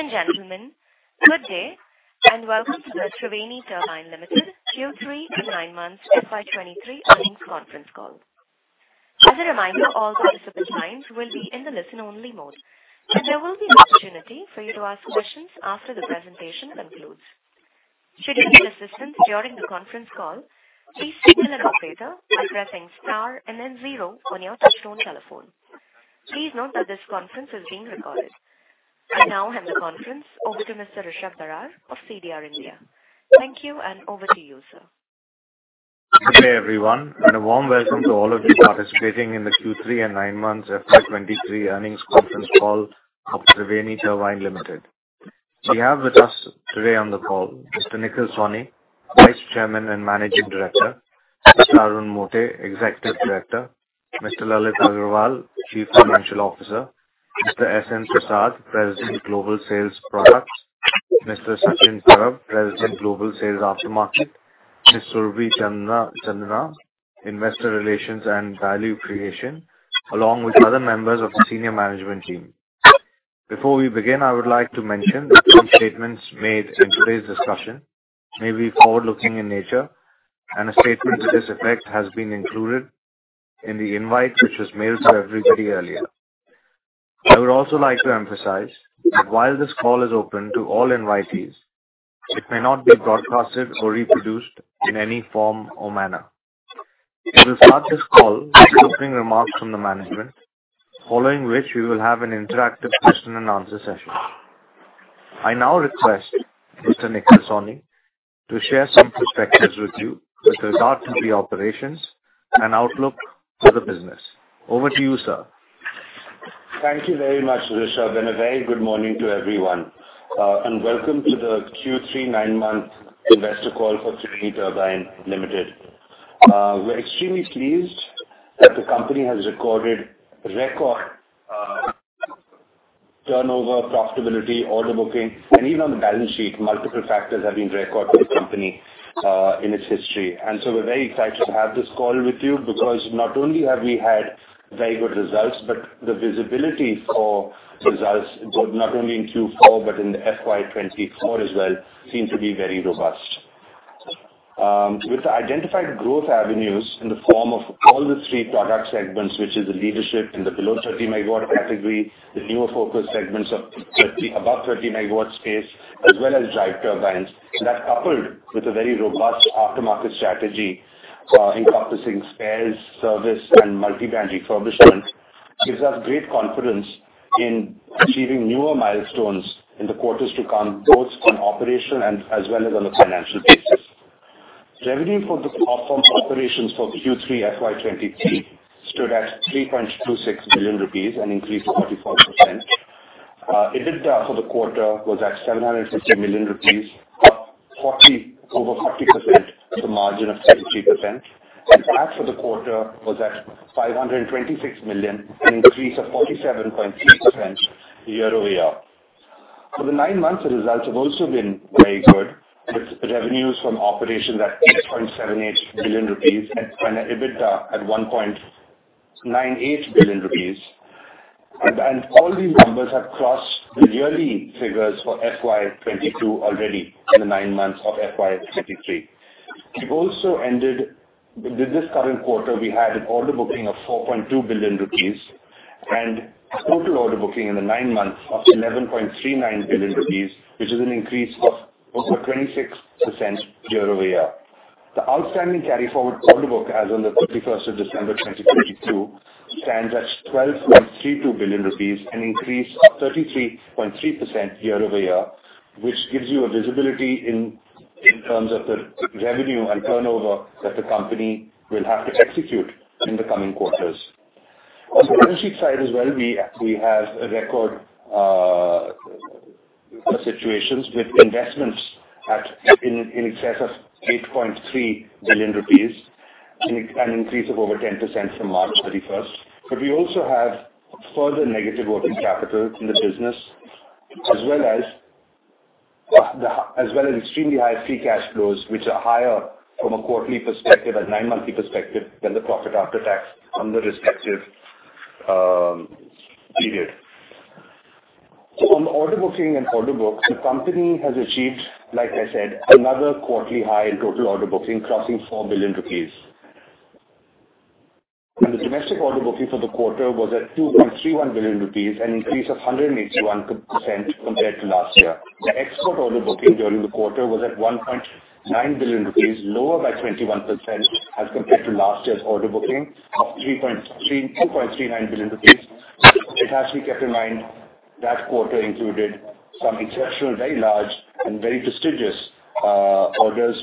Ladies and gentlemen, good day and welcome to the Triveni Turbine Limited Q3 and 9 months FY23 earnings conference call. As a reminder, all participant lines will be in the listen-only mode. There will be an opportunity for you to ask questions after the presentation concludes. Should you need assistance during the conference call, please signal operator by pressing star and then zero on your touchtone telephone. Please note that this conference is being recorded. I now hand the conference over to Mr. Rishabh Dhar of CDR India. Thank you and over to you, sir. Hey, everyone, a warm welcome to all of you participating in the Q3 and nine months FY 23 earnings conference call of Triveni Turbine Limited. We have with us today on the call Mr. Nikhil Sawhney, Vice Chairman and Managing Director, Mr. Arun Mote, Executive Director, Mr. Lalit Agarwal, Chief Financial Officer, Mr. S.N. Prasad, President, Global Sales Products, Mr. Sachin Parab, President, Global Sales Aftermarket, Ms. Surabhi Chandna, Investor Relations and Value Creation, along with other members of the senior management team. Before we begin, I would like to mention that some statements made in today's discussion may be forward-looking in nature and a statement to this effect has been included in the invite which was mailed to everybody earlier. I would also like to emphasize that while this call is open to all invitees, it may not be broadcasted or reproduced in any form or manner. We will start this call with opening remarks from the management, following which we will have an interactive question and answer session. I now request Mr. Nikhil Sawhney to share some perspectives with you with regard to the operations and outlook for the business. Over to you, sir. Thank you very much, Rishabh, and a very good morning to everyone. Welcome to the Q3 nine-month investor call for Triveni Turbine Limited. We're extremely pleased that the company has recorded record turnover, profitability, order booking, and even on the balance sheet multiple factors have been record for the company in its history. We're very excited to have this call with you because not only have we had very good results, but the visibility for results, both not only in Q4 but in the FY 2024 as well, seem to be very robust. With the identified growth avenues in the form of all the three product segments, which is the leadership in the below 30 megawatt category, the newer focus segments of above 30 megawatts space, as well as Drive Turbines, and that coupled with a very robust aftermarket strategy, encompassing spares, service and multi-brand refurbishment, gives us great confidence in achieving newer milestones in the quarters to come, both on operation and as well as on a financial basis. Revenue for the platform operations for Q3 FY 2023 stood at 3.26 billion rupees, an increase of 44%. EBITDA for the quarter was at 750 million rupees, over 40% with a margin of 73%. PAT for the quarter was at 526 million, an increase of 47.3% year-over-year. For the nine months, the results have also been very good with revenues from operations at 8.78 billion rupees and EBITDA at 1.98 billion rupees. All these numbers have crossed the yearly figures for FY22 already in the nine months of FY23. We've also ended. With this current quarter, we had an order booking of 4.2 billion rupees and total order booking in the nine months of 11.39 billion rupees, which is an increase of over 26% year-over-year. The outstanding carry-forward order book as on the 31st of December 2022 stands at 12.32 billion rupees, an increase of 33.3% year-over-year, which gives you a visibility in terms of the revenue and turnover that the company will have to execute in the coming quarters. On the balance sheet side as well, we have a record situations with investments in excess of 8.3 billion rupees, an increase of over 10% from March 31st. We also have further negative working capital in the business as well as extremely high free cash flows, which are higher from a quarterly perspective, a nine monthly perspective than the profit after tax on the respective period. On order booking and order book, the company has achieved, like I said, another quarterly high in total order booking, crossing 4 billion rupees. The domestic order booking for the quarter was at 2.31 billion rupees, an increase of 181% compared to last year. The export order booking during the quarter was at 1.9 billion rupees, lower by 21% as compared to last year's order booking of 2.39 billion rupees. It has to be kept in mind that quarter included some exceptional, very large and very prestigious orders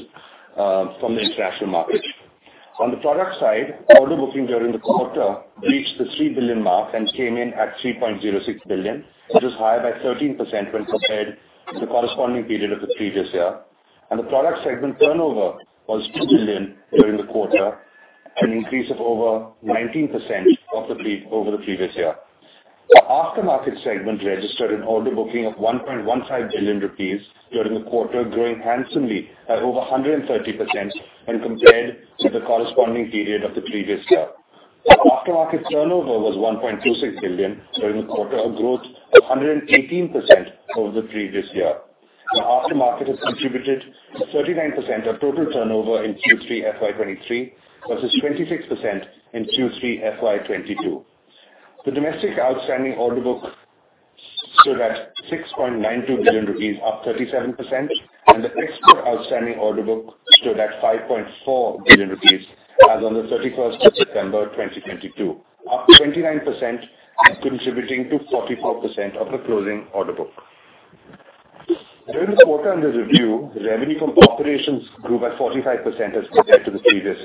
from the international market. On the product side, order booking during the quarter breached the 3 billion mark and came in at 3.06 billion. It is higher by 13% when compared to the corresponding period of the previous year. The product segment turnover was 2 billion during the quarter, an increase of over 19% over the previous year. The aftermarket segment registered an order booking of 1.15 billion rupees during the quarter, growing handsomely at over 130% when compared to the corresponding period of the previous year. Our aftermarket turnover was 1.26 billion during the quarter, a growth of 118% over the previous year. The aftermarket has contributed 39% of total turnover in Q3 FY23 versus 26% in Q3 FY22. The domestic outstanding order book stood at 6.92 billion rupees, up 37%. The export outstanding order book stood at 5.4 billion rupees as on the 31st of September 2022, up 29% and contributing to 44% of the closing order book. During the quarter under review, the revenue from operations grew by 45% as compared to the previous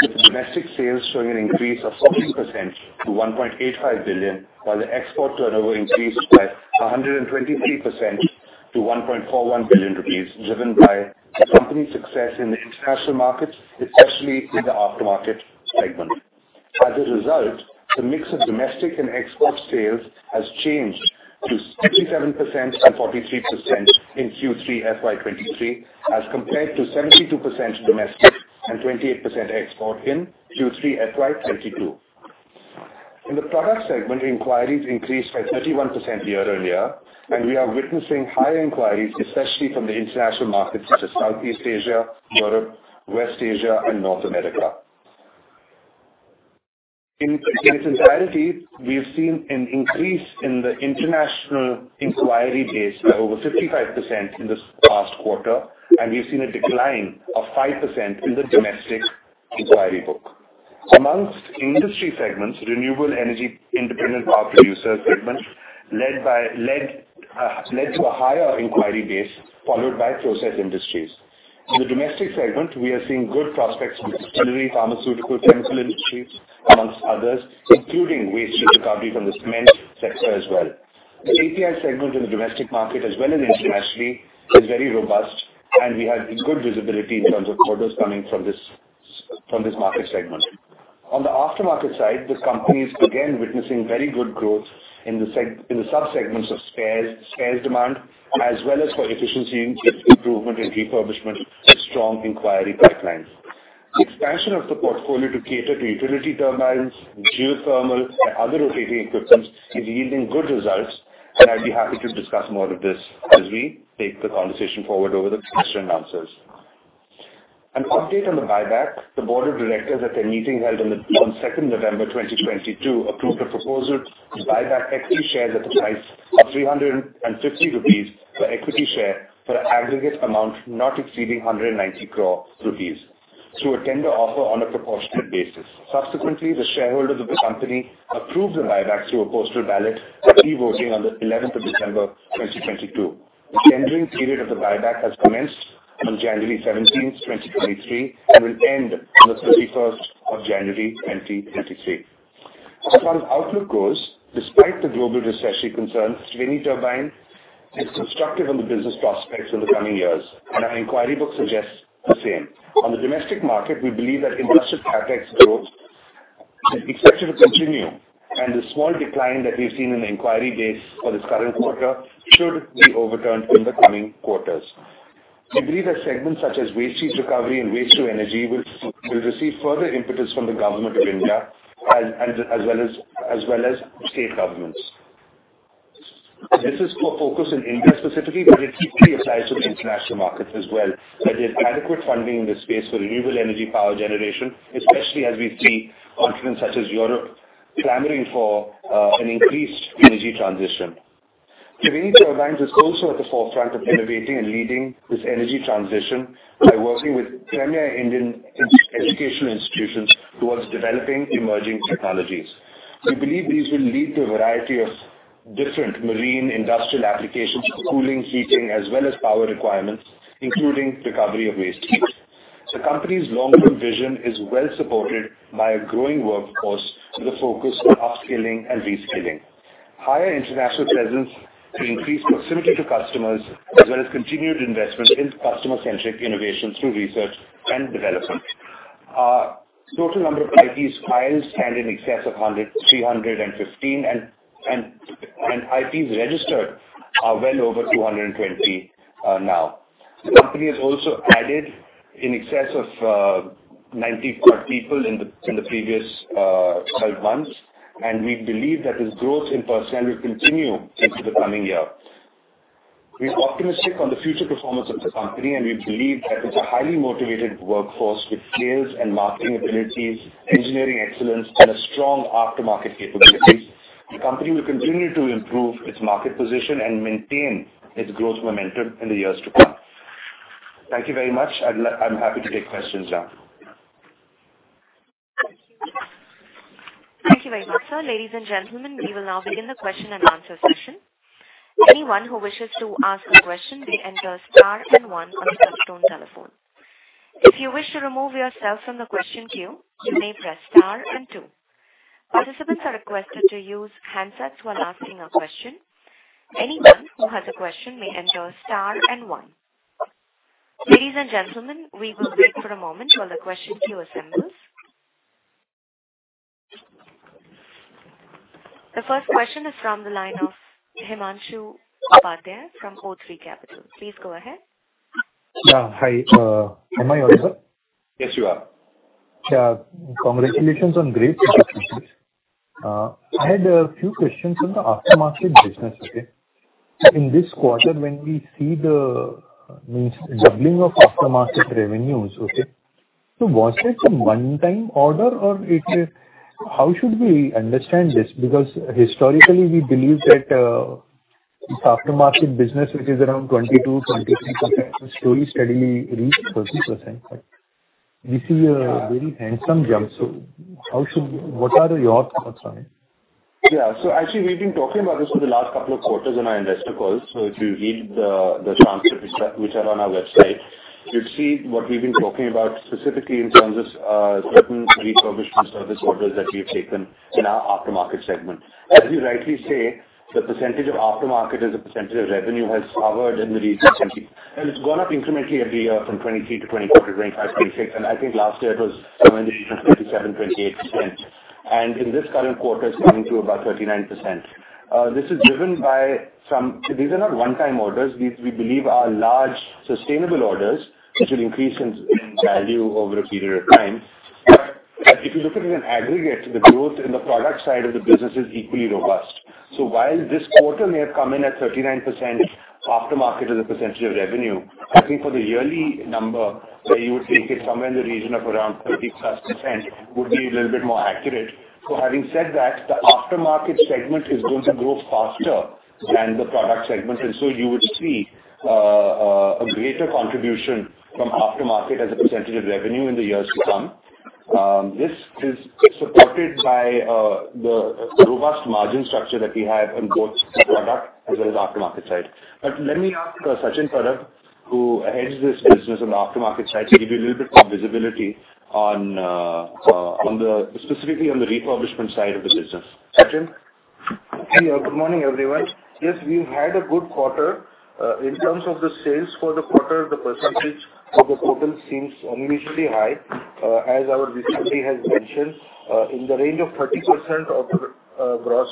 year, with domestic sales showing an increase of 40% to 1.85 billion, while the export turnover increased by 123% to 1.41 billion rupees, driven by the company's success in the international markets, especially in the aftermarket segment. As a result, the mix of domestic and export sales has changed to 67% and 43% in Q3 FY23, as compared to 72% domestic and 28% export in Q3 FY22. In the product segment, inquiries increased by 31% year-on-year, we are witnessing higher inquiries, especially from the international markets such as Southeast Asia, Europe, West Asia, and North America. In its entirety, we have seen an increase in the international inquiry base by over 55% in this past quarter, we've seen a decline of 5% in the domestic inquiry book. Amongst industry segments, renewable energy Independent Power Producer segment led to a higher inquiry base, followed by process industries. In the domestic segment, we are seeing good prospects in distillery, pharmaceutical, chemical industries, amongst others, including waste heat recovery from the cement sector as well. The API segment in the domestic market as well as internationally is very robust, we have good visibility in terms of orders coming from this market segment. On the aftermarket side, the company is again witnessing very good growth in the subsegments of spares demand as well as for efficiency improvement and refurbishment with strong inquiry pipelines. Expansion of the portfolio to cater to utility turbines, geothermal, and other rotating equipment is yielding good results, and I'd be happy to discuss more of this as we take the conversation forward over the question and answers. An update on the buyback. The board of directors at their meeting held on 2nd November 2022 approved a proposal to buy back equity shares at the price of 350 rupees per equity share for aggregate amount not exceeding 190 crore rupees through a tender offer on a proportionate basis. Subsequently, the shareholders of the company approved the buyback through a postal ballot with e-voting on the 11th of December 2022. The tendering period of the buyback has commenced on January 17th, 2023, and will end on the 31st of January 2023. As far as outlook goes, despite the global recession concerns, Triveni Turbine is constructive on the business prospects in the coming years, and our inquiry book suggests the same. On the domestic market, we believe that industrial CapEx growth is expected to continue, and the small decline that we've seen in the inquiry base for this current quarter should be overturned in the coming quarters. We believe that segments such as waste heat recovery and waste to energy will receive further impetus from the government of India as well as state governments. This is for focus in India specifically, but it equally applies to the international markets as well, that there's adequate funding in the space for renewable energy power generation, especially as we see continents such as Europe clamoring for an increased energy transition. Triveni Turbine is also at the forefront of innovating and leading this energy transition by working with premier Indian educational institutions towards developing emerging technologies. We believe these will lead to a variety of different marine industrial applications for cooling, heating, as well as power requirements, including recovery of waste heat. The company's long-term vision is well supported by a growing workforce with a focus on upskilling and reskilling. Higher international presence could increase proximity to customers as well as continued investment in customer-centric innovations through research and development. Our total number of IP files stand in excess of 315. IPs registered are well over 220 now. The company has also added in excess of 94 people in the previous 12 months. We believe that this growth in personnel will continue into the coming year. We're optimistic on the future performance of the company. We believe that with a highly motivated workforce with sales and marketing abilities, engineering excellence, and a strong aftermarket capabilities, the company will continue to improve its market position and maintain its growth momentum in the years to come. Thank you very much. I'm happy to take questions now. Thank you. Thank you very much, sir. Ladies and gentlemen, we will now begin the question and answer session. Anyone who wishes to ask a question may enter star and one on the touch-tone telephone. If you wish to remove yourself from the question queue, you may press star and two. Participants are requested to use handsets while asking a question. Anyone who has a question may enter star and one. Ladies and gentlemen, we will wait for a moment while the question queue assembles. The first question is from the line of Himanshu Upadhyay from O3 Capital. Please go ahead. Yeah. Hi. Am I audible? Yes, you are. Sure. Congratulations on great. I had a few questions on the aftermarket business, okay? In this quarter, when we see the, means, doubling of aftermarket revenues, okay, was it a one-time order, or it... How should we understand this? Because historically we believe that this aftermarket business, which is around 22%-23%, will slowly, steadily reach 30%. But we see a very handsome jump. What are your thoughts on it? Actually we've been talking about this for the last couple of quarters in our investor calls. If you read the transcripts which are on our website, you'll see what we've been talking about specifically in terms of certain refurbishment service orders that we've taken in our aftermarket segment. As you rightly say, the percentage of aftermarket as a percentage of revenue has hovered in the region. It's gone up incrementally every year from 23 to 24 to 25 to 26. I think last year it was somewhere in the region of 27%, 28%. In this current quarter, it's coming to about 39%. This is driven by. These are not one-time orders. These we believe are large sustainable orders which will increase in value over a period of time. If you look at it in aggregate, the growth in the product side of the business is equally robust. While this quarter may have come in at 39% aftermarket as a percentage of revenue, I think for the yearly number, where you would take it somewhere in the region of around 30%+ would be a little bit more accurate. Having said that, the aftermarket segment is going to grow faster than the product segment. You would see a greater contribution from aftermarket as a percentage of revenue in the years to come. This is supported by the robust margin structure that we have in both product as well as aftermarket side. Let me ask Sachin Parab, who heads this business on the aftermarket side, to give you a little bit more visibility specifically on the refurbishment side of the business. Sachin? Yeah. Good morning, everyone. Yes, we've had a good quarter. In terms of the sales for the quarter, the percentage of the total seems unusually high. As our VC has mentioned, in the range of 30% of the gross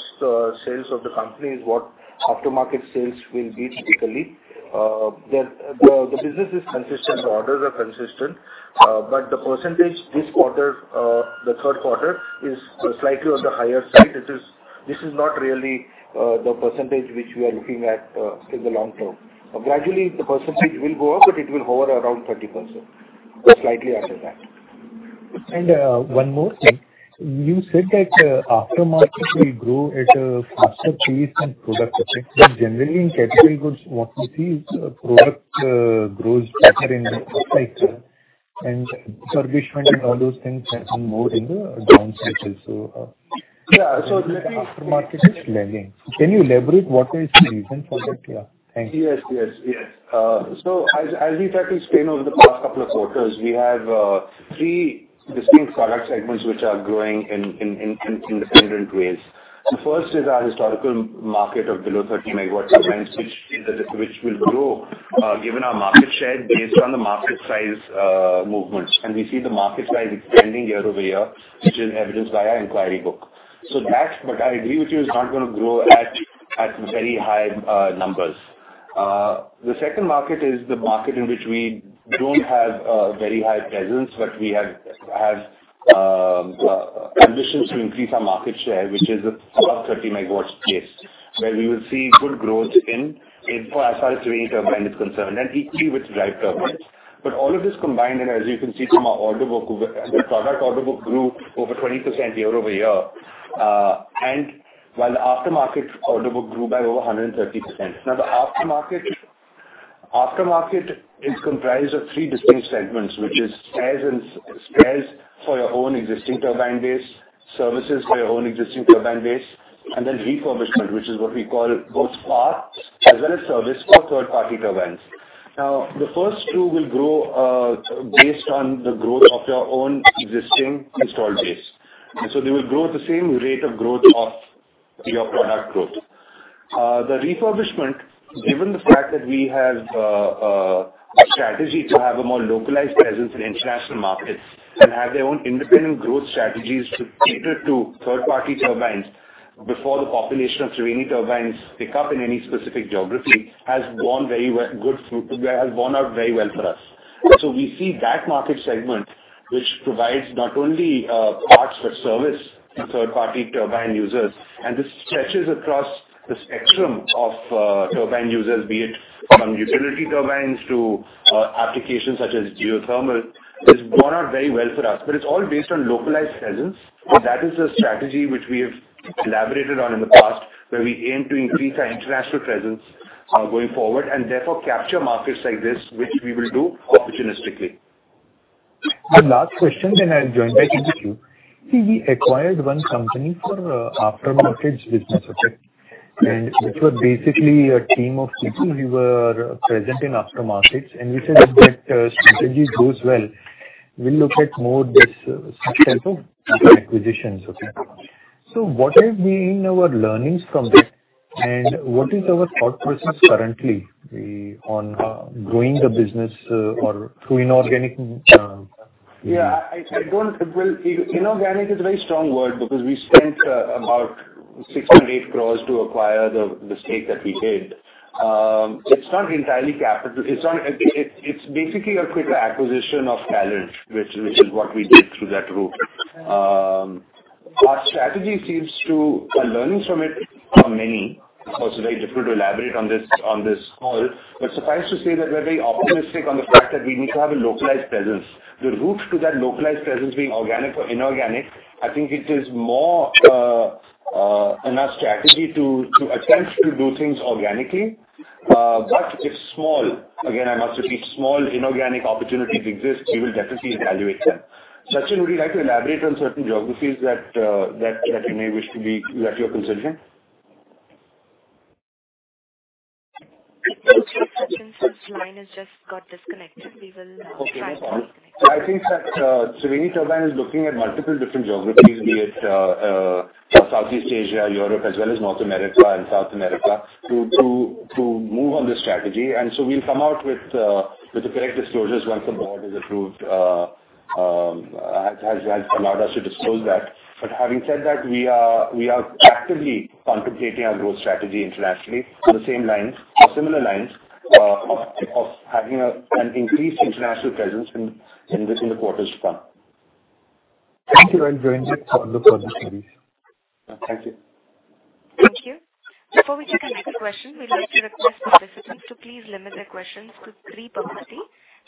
sales of the company is what aftermarket sales will be typically. The business is consistent. The orders are consistent. The percentage this quarter, the third quarter, is slightly on the higher side. This is not really the percentage which we are looking at in the long term. Gradually, the percentage will go up, but it will hover around 30% or slightly after that. One more thing. You said that aftermarket will grow at a faster pace than product. Generally in capital goods, what we see is product grows better in up cycle and refurbishment and all those things happen more in the down cycles. Yeah. Aftermarket is lagging. Can you elaborate what is the reason for that? Yeah. Thank you. Yes, yes. As we tried to explain over the past couple of quarters, we have three distinct product segments which are growing in different ways. The first is our historical market of below 30 megawatts segment, which will grow given our market share based on the market size movements. We see the market size expanding year-over-year, which is evidenced by our inquiry book. That's. I agree with you, it's not gonna grow at very high numbers. The second market is the market in which we don't have a very high presence, but we have ambitions to increase our market share, which is above 30 megawatts base, where we will see good growth in as far as turbine is concerned and equally with Drive Turbines. All of this combined, as you can see from our order book, the product order book grew over 20% year-over-year. While the aftermarket order book grew by over 130%. The aftermarket is comprised of three distinct segments, which is spares for your own existing turbine base, services for your own existing turbine base, and then refurbishment, which is what we call both parts as well as service for third-party turbines. The first two will grow based on the growth of your own existing installed base. They will grow at the same rate of growth of your product growth. The refurbishment, given the fact that we have a strategy to have a more localized presence in international markets and have their own independent growth strategies to cater to third-party turbines before the population of turbines pick up in any specific geography, has gone very well, good, has borne out very well for us. We see that market segment, which provides not only parts for service to third-party turbine users, and this stretches across the spectrum of turbine users, be it from utility turbines to applications such as geothermal, has borne out very well for us. It's all based on localized presence. That is a strategy which we have elaborated on in the past, where we aim to increase our international presence going forward and therefore capture markets like this, which we will do opportunistically. One last question, then I'll join back into the queue. See, we acquired one company for aftermarket business. Which was basically a team of people who were present in aftermarkets. We said that if that strategy goes well, we'll look at more this type of acquisitions. Okay. What have been our learnings from this? What is our thought process currently, on growing the business or through inorganic... Yeah, I don't. Well, inorganic is a very strong word because we spent about 68 crores to acquire the stake that we did. It's not entirely capital. It's not. It's basically a quick acquisition of talent, which is what we did through that route. Our strategy. Our learnings from it are many. It's also very difficult to elaborate on this call. Suffice to say that we're very optimistic on the fact that we need to have a localized presence. The route to that localized presence being organic or inorganic, I think it is more in our strategy to attempt to do things organically. If small, again, I must repeat, small inorganic opportunities exist, we will definitely evaluate them. Sachin, would you like to elaborate on certain geographies that you're considering? Sorry, Sachin's line has just got disconnected. We will try to reconnect. Okay, no problem. I think that Triveni Turbine is looking at multiple different geographies, be it Southeast Asia, Europe, as well as North America and South America, to move on this strategy. We'll come out with the correct disclosures once the board has approved, has allowed us to disclose that. Having said that, we are actively contemplating our growth strategy internationally on the same lines or similar lines, of having an increased international presence in within the quarters to come. Thank you. I'll join the follow-up on this, Harish. Thank you. Thank you. Before we take the next question, we'd like to request participants to please limit their questions to three per party.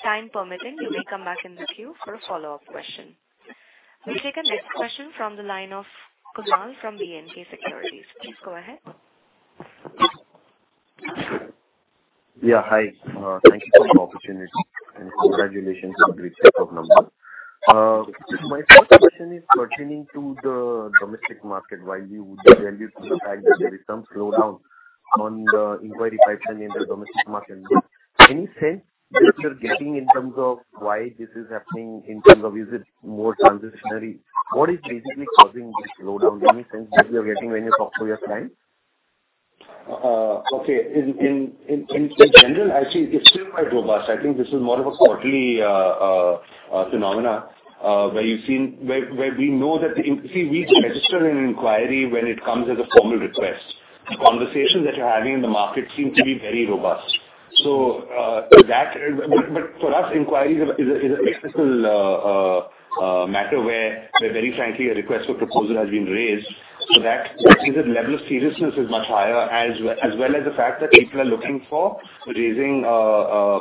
Time permitting, you may come back in the queue for a follow-up question. We'll take our next question from the line of Kunal from B&K Securities. Please go ahead. Yeah, hi. Thank you for the opportunity, and congratulations on the great set of numbers. My first question is pertaining to the domestic market. While you would value the fact that there is some slowdown on the inquiry pipeline in the domestic market, any sense that you're getting in terms of why this is happening, in terms of is it more transitionary? What is basically causing this slowdown? Any sense that you're getting when you talk to your clients? actually it's still quite robust. I think this is more of a quarterly phenomena where you've seen. We know that. We register an inquiry when it comes as a formal request. The conversation that you're having in the market seems to be very robust. That. But for us, inquiry is a critical matter where very frankly a request for proposal has been raised, so that level of seriousness is much higher as well as the fact that people are looking for raising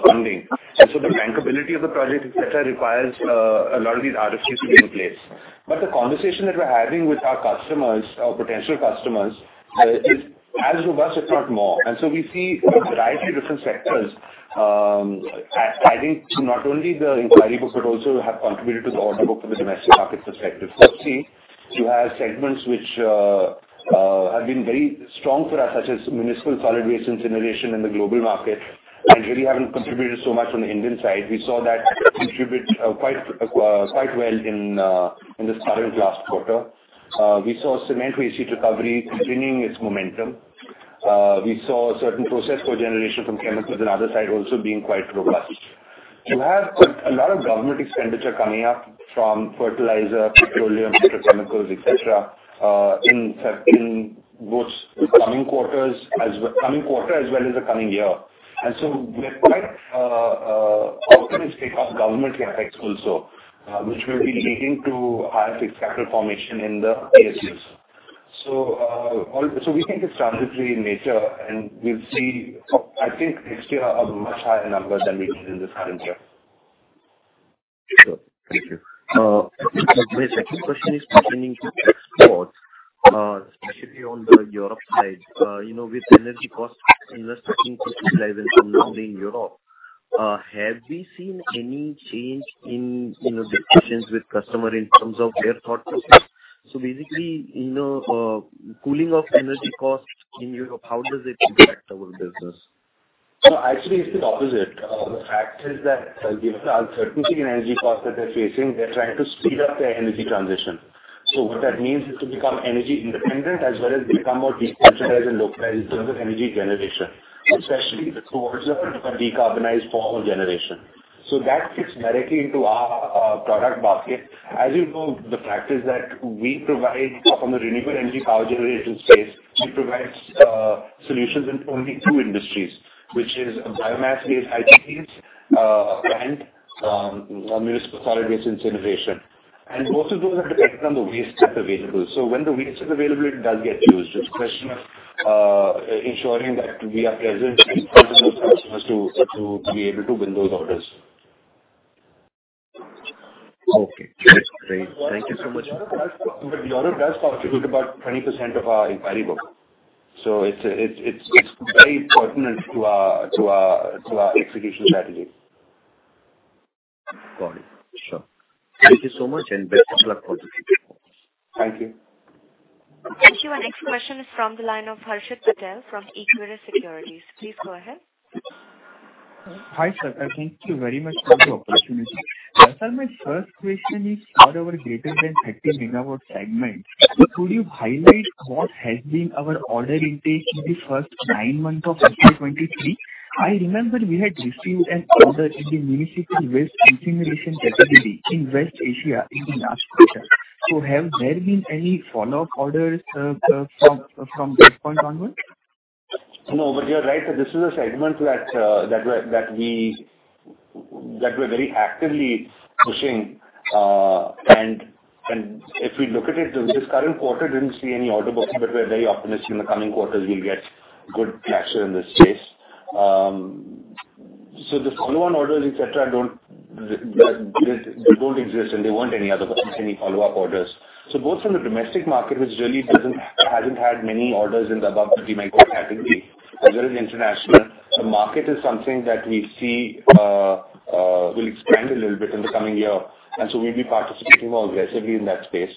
funding. So the bankability of the project, et cetera, requires a lot of these RFPs to be in place. The conversation that we're having with our customers or potential customers is as robust, if not more. We see a variety of different sectors adding to not only the inquiry book, but also have contributed to the order book from the domestic market perspective. You have segments which have been very strong for us, such as municipal solid waste incineration in the global market, really haven't contributed so much on the Indian side. We saw that contribute quite well in this current last quarter. We saw cement waste heat recovery continuing its momentum. We saw a certain process for generation from chemicals and other side also being quite robust. You have a lot of government expenditure coming up from fertilizer, petroleum, petrochemicals, et cetera, in certain... both the coming quarters as coming quarter as well as the coming year. We're quite optimistic of government CapEx also, which will be leading to higher fixed capital formation in the PSUs. We think it's transitory in nature, and we'll see, I think next year a much higher number than we did in this current year. Sure. Thank you. My second question is pertaining to exports, especially on the Europe side. You know, with energy costs increasing significantly in Europe, have we seen any change in, you know, discussions with customer in terms of their thought process? Basically, you know, cooling of energy costs in Europe, how does it impact our business? No, actually it's the opposite. The fact is that given the uncertainty in energy costs that they're facing, they're trying to speed up their energy transition. What that means is to become energy independent as well as become more decentralized and localized in terms of energy generation, especially towards a decarbonized form of generation. That fits directly into our product basket. As you know, the fact is that we provide from the renewable energy power generation space, we provide solutions in only two industries, which is biomass-based IPPs and municipal solid waste incineration. Both of those are dependent on the waste that's available. When the waste is available, it does get used. It's a question of ensuring that we are present in front of those customers to be able to win those orders. Okay, great. Thank you so much. The order does constitute about 20% of our inquiry book. It's very pertinent to our execution strategy. Got it. Sure. Thank you so much, and best of luck for the future. Thank you. Thank you. Our next question is from the line of Harshit Patel from Equirus Securities. Please go ahead. Hi, sir. thank you very much for the opportunity. Sir, my first question is, for our greater than 30 megawatt segment, could you highlight what has been our order intake in the first nine months of 2023? I remember we had received an order in the municipal waste incineration category in West Asia in the last quarter. Have there been any follow-up orders from that point onward? No, you're right. This is a segment that we're very actively pushing. If we look at it, this current quarter didn't see any order booking, but we're very optimistic in the coming quarters we'll get good traction in this space. The follow-on orders, et cetera, they don't exist, and they weren't any other any follow-up orders. Both from the domestic market, which really hasn't had many orders in the above 30 megawatt category as well as international, the market is something that we see will expand a little bit in the coming year, we'll be participating more aggressively in that space.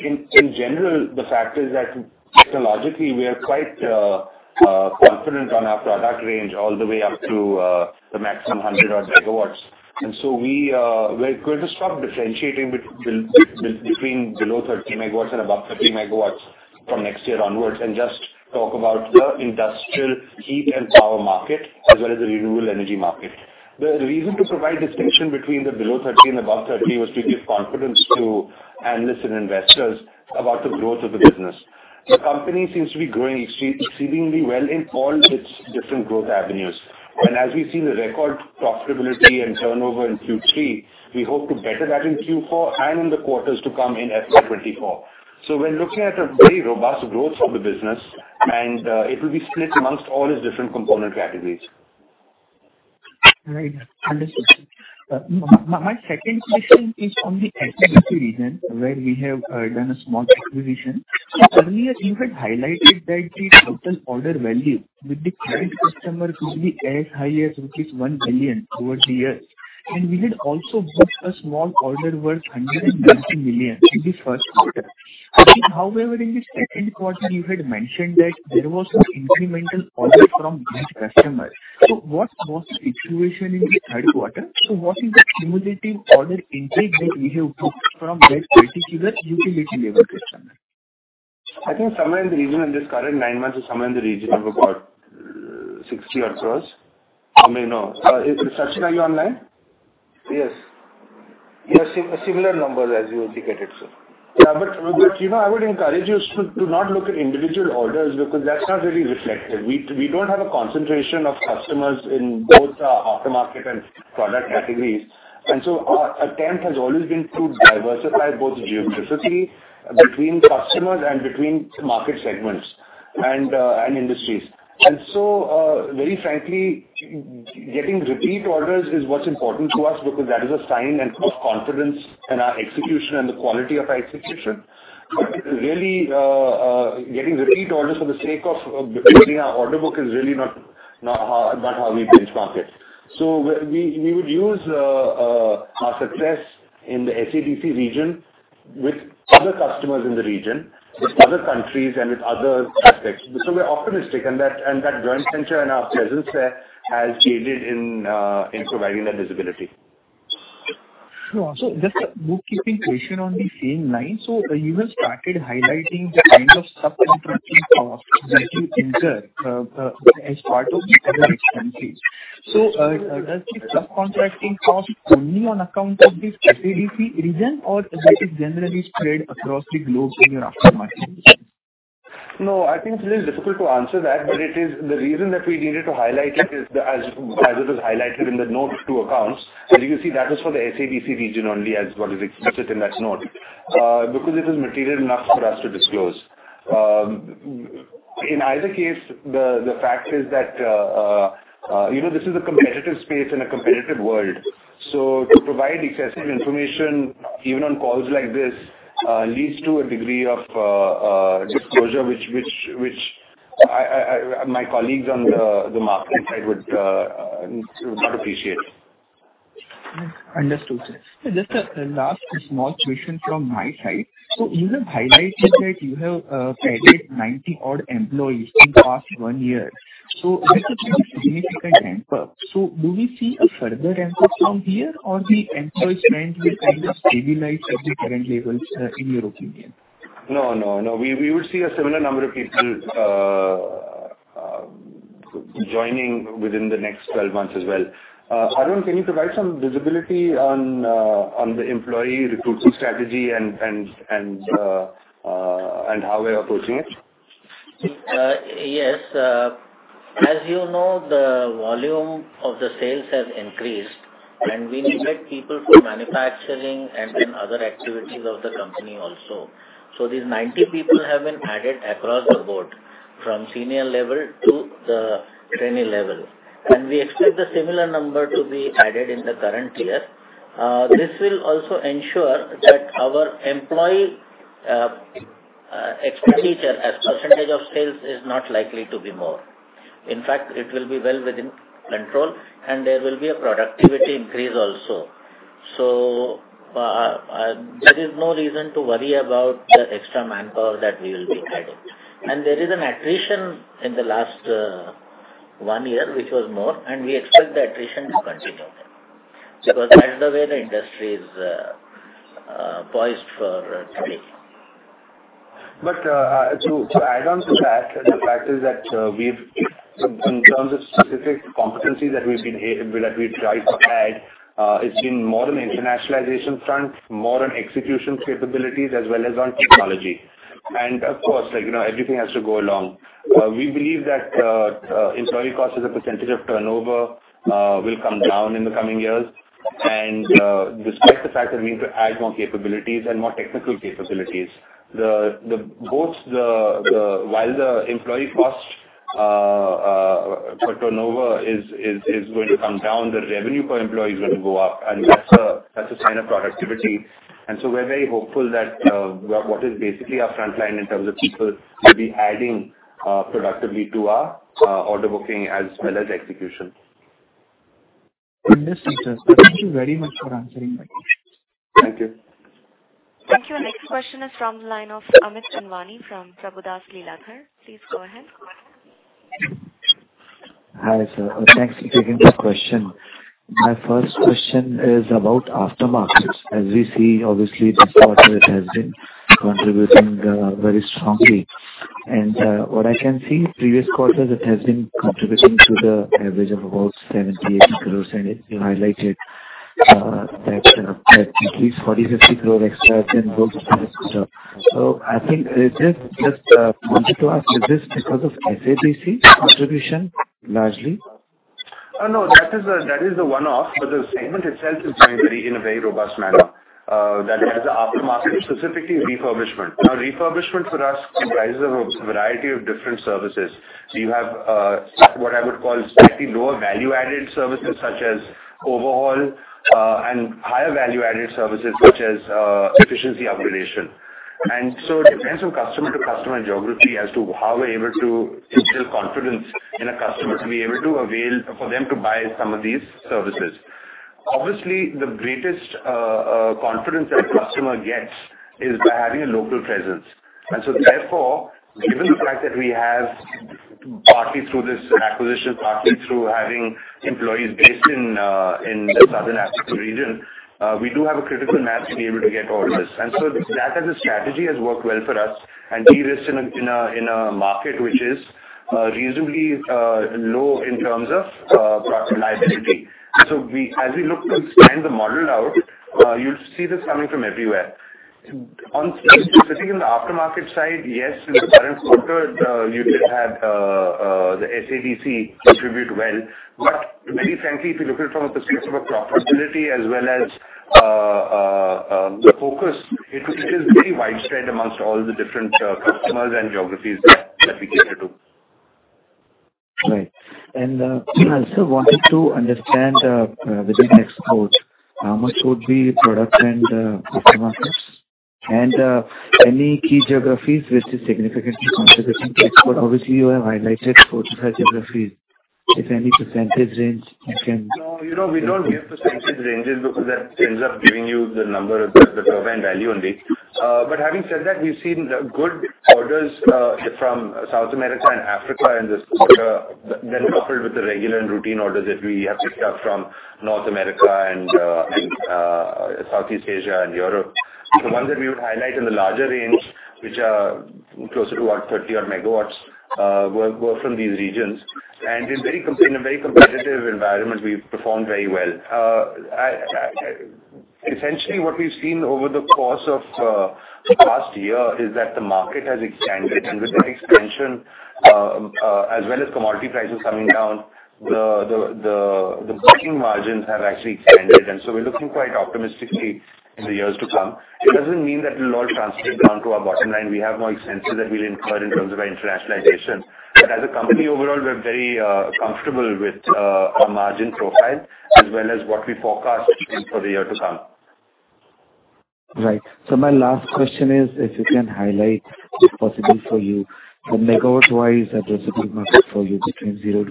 In general, the fact is that technologically we are quite confident on our product range all the way up to the maximum 100 odd megawatts. We're going to stop differentiating between below 30 megawatts and above 30 megawatts from next year onwards and just talk about the industrial heat and power market as well as the renewable energy market. The reason to provide distinction between the below 30 and above 30 was to give confidence to analysts and investors about the growth of the business. The company seems to be growing exceedingly well in all its different growth avenues. As we've seen the record profitability and turnover in Q3, we hope to better that in Q4 and in the quarters to come in FY 2024. We're looking at a very robust growth of the business and, it will be split amongst all its different component categories. Right. Understood, sir. My second question is on the SADC region where we have done a small acquisition. Earlier you had highlighted that the total order value with the current customer could be as high as 1 billion over the years. We had also booked a small order worth 190 million in the first quarter. However, in the second quarter, you had mentioned that there was some incremental order from that customer. What was the situation in the third quarter? What is the cumulative order intake that we have booked from that particular utility level customer? I think somewhere in the region in this current nine months is somewhere in the region of about 60 odd crores. Am I wrong? Is Sachin are you online? Yes. Yes, similar numbers as you indicated, sir. Yeah, you know, I would encourage you to not look at individual orders because that's not really reflective. We don't have a concentration of customers in both the aftermarket and product categories. Our attempt has always been to diversify both geographically between customers and between market segments and industries. Very frankly, getting repeat orders is what's important to us because that is a sign and of confidence in our execution and the quality of our execution. Really, getting repeat orders for the sake of building our order book is really not how we benchmark it. We would use our success in the SADC region with other customers in the region, with other countries and with other aspects. We're optimistic and that, and that joint venture and our presence there has aided in providing that visibility. Sure. Just a bookkeeping question on the same line. You have started highlighting the kind of subcontracting costs that you incur as part of the other expenses. Does the subcontracting cost only on account of the SADC region or that is generally spread across the globe in your aftermarket? I think it is difficult to answer that, but it is the reason that we needed to highlight it is, as it was highlighted in the note to accounts. As you can see, that was for the SADC region only as what is expressed in that note, because it was material enough for us to disclose. In either case, the fact is that, you know, this is a competitive space in a competitive world. To provide excessive information, even on calls like this, leads to a degree of disclosure which I... my colleagues on the marketing side would not appreciate. Understood, sir. Just a last small question from my side. You have highlighted that you have added 90 odd employees in the past one year. That's a pretty significant ramp-up. Do we see a further ramp-up from here or the employee strength will kind of stabilize at the current levels, in your opinion? No, no. We would see a similar number of people joining within the next 12 months as well. Arun, can you provide some visibility on the employee recruitment strategy and how we're approaching it? Yes. As you know, the volume of the sales has increased and we need people for manufacturing and in other activities of the company also. These 90 people have been added across the board from senior level to the trainee level. We expect a similar number to be added in the current year. This will also ensure that our employee expenditure as % of sales is not likely to be more. In fact, it will be well within control and there will be a productivity increase also. There is no reason to worry about the extra manpower that we will be adding. There is an attrition in the last 1 year which was more, and we expect the attrition to continue. That's the way the industry is poised for today. To add on to that, the fact is that we've. In terms of specific competencies that we try to add, it's been more on internationalization front, more on execution capabilities as well as on technology. Of course, like, you know, everything has to go along. We believe that employee cost as a % of turnover will come down in the coming years. Despite the fact that we need to add more capabilities and more technical capabilities, while the employee cost for turnover is going to come down, the revenue per employee is gonna go up, and that's a, that's a sign of productivity. We're very hopeful that what is basically our frontline in terms of people will be adding productively to our order booking as well as execution. Understood, sir. Thank you very much for answering my questions. Thank you. Thank you. Next question is from the line of Amit Anwani from Prabhudas Lilladher. Please go ahead. Hi, sir. Thanks. Good question. My first question is about aftermarkets. As we see, obviously this quarter it has been contributing very strongly. What I can see, previous quarters it has been contributing to the average of about 70-80 crore, and you highlighted that at least 40-50 crore extra has been booked for this quarter. I think, wanted to ask, is this because of SADC contribution largely? No, that is a one-off. The segment itself is doing in a very robust manner. That has an aftermarket, specifically refurbishment. Now, refurbishment for us comprises of a variety of different services. You have what I would call slightly lower value-added services such as overhaul and higher value-added services such as efficiency upgradation. It depends on customer to customer geography as to how we're able to instill confidence in a customer to be able to avail for them to buy some of these services. Obviously, the greatest confidence that a customer gets is by having a local presence. Therefore, given the fact that we have partly through this acquisition, partly through having employees based in the Southern African region, we do have a critical mass to be able to get orders. That as a strategy has worked well for us, and de-risk in a market which is reasonably low in terms of profit liability. As we look to expand the model out, you'll see this coming from everywhere. On specifically on the aftermarket side, yes, in the current quarter, you did have the SADC contribute well. Very frankly, if you look at it from a perspective of profitability as well as focus, it is very widespread amongst all the different customers and geographies that we cater to. Right. I also wanted to understand within exports, how much would be products and aftermarkets? Any key geographies which is significantly contributing to export. Obviously, you have highlighted 45 geographies. If any percentage range you can... No. You know, we don't give percentage ranges because that ends up giving you the turbine value only. Having said that, we've seen good orders from South America and Africa in this quarter, then coupled with the regular and routine orders that we have picked up from North America and Southeast Asia and Europe. The ones that we would highlight in the larger range, which are closer to 130 megawatts, were from these regions. In a very competitive environment, we've performed very well. I. Essentially what we've seen over the course of the past year is that the market has expanded. With that expansion, as well as commodity prices coming down, the booking margins have actually expanded, and so we're looking quite optimistically in the years to come. It doesn't mean that it'll all translate down to our bottom line. We have more expenses that we'll incur in terms of our internationalization. As a company overall, we're very comfortable with our margin profile as well as what we forecast even for the year to come. Right. My last question is if you can highlight, if possible for you, the megawatt-wise addressable market for you between 0-30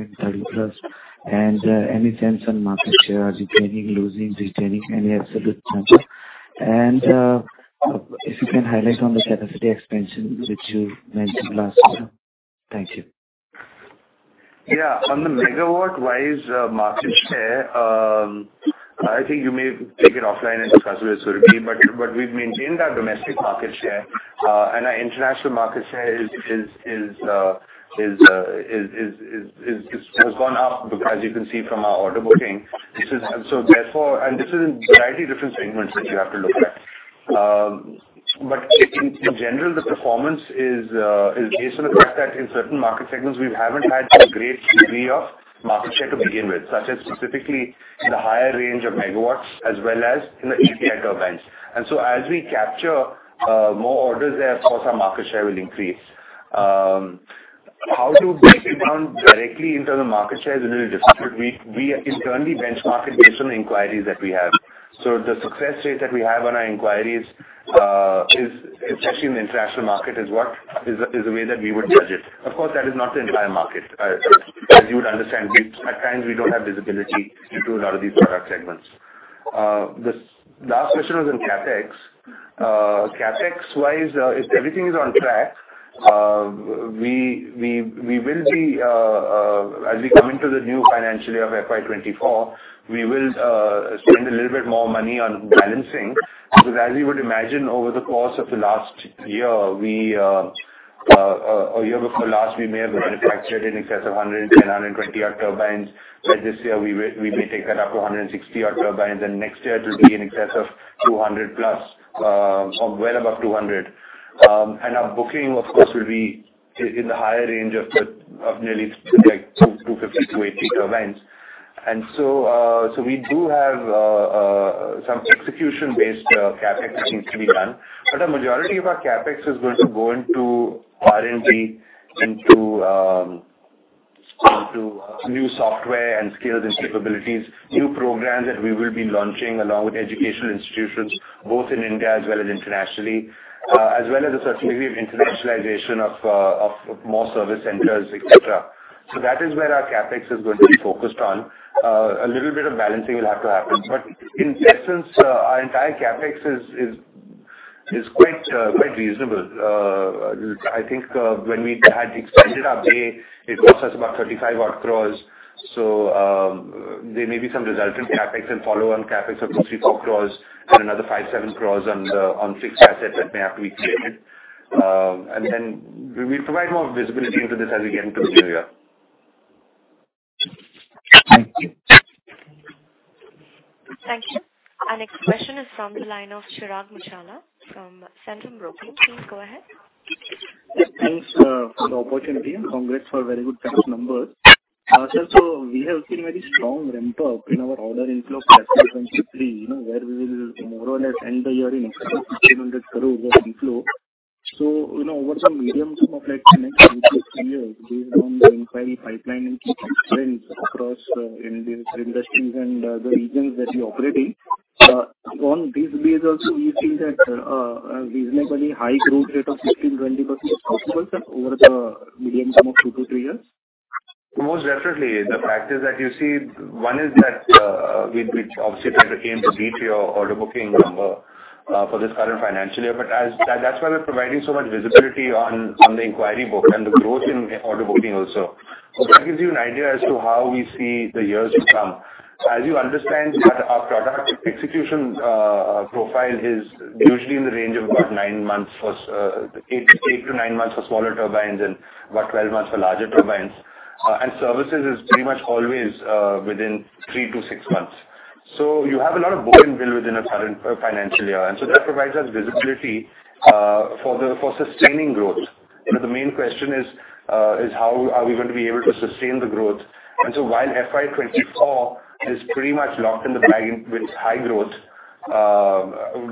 and 30+. Any sense on market share, retaining, losing, retaining, any absolute changes. If you can highlight on the capacity expansion which you mentioned last year. Thank you. Yeah. On the megawatt-wise, market share, I think you may take it offline and discuss with Surabhi. We've maintained our domestic market share. Our international market share has gone up as you can see from our order booking. This is in variety of different segments that you have to look at. In general, the performance is based on the fact that in certain market segments we haven't had a great degree of market share to begin with, such as specifically in the higher range of megawatts as well as in the API turbines. As we capture more orders there, of course our market share will increase. How to break it down directly in terms of market share is a little difficult. We internally benchmark it based on the inquiries that we have. The success rate that we have on our inquiries, especially in the international market is what is the way that we would judge it. Of course, that is not the entire market. As you would understand, we at times we don't have visibility into a lot of these product segments. The last question was on CapEx. CapEx wise, everything is on track. We will be as we come into the new financial year of FY 2024, we will spend a little bit more money on balancing, because as you would imagine, over the course of the last year, we a year before last, we may have manufactured in excess of 120 odd turbines. This year we will, we may take that up to 160 odd turbines, and next year it will be in excess of 200+, or well above 200. Our booking, of course, will be in the higher range of the, of nearly like 250-280 turbines. We do have some execution-based CapEx that needs to be done. A majority of our CapEx is going to go into R&D, into new software and skills and capabilities, new programs that we will be launching along with educational institutions, both in India as well as internationally, as well as a certainly of internationalization of more service centers, et cetera. That is where our CapEx is going to be focused on. A little bit of balancing will have to happen. In that sense, our entire CapEx is quite reasonable. I think when we had expanded our bay, it cost us about 35 odd crores. There may be some resultant CapEx and follow on CapEx of 2, 3, 4 crores and another 5, 7 crores on the fixed assets that may have to be created. We will provide more visibility into this as we get into the new year. Thank you. Thank you. Our next question is from the line of Chirag Muchhala from Centrum Broking. Please go ahead. Yes, thanks for the opportunity and congrats for very good set of numbers. Sir, we have seen very strong ramp up in our order inflow for FY23, you know, where we will more or less end the year in excess of INR 1,500 crore order inflow. You know, over the medium term of like the next 2-3 years based on the inquiry pipeline and key trends across India's industries and the regions that you operate in, on this base also, do you feel that a reasonably high growth rate of 15%-20% is possible, sir, over the medium term of 2-3 years? Most definitely. The fact is that you see, one is that, we obviously try to aim to beat your order booking number for this current financial year. That's why we're providing so much visibility on the inquiry book and the growth in order booking also. That gives you an idea as to how we see the years to come. As you understand, our product execution profile is usually in the range of about nine months for eight to nine months for smaller turbines and about 12 months for larger turbines. And services is pretty much always within three to six months. You have a lot of book and bill within a current financial year. That provides us visibility for the for sustaining growth. You know, the main question is how are we going to be able to sustain the growth? While FY 2024 is pretty much locked in the bag with high growth,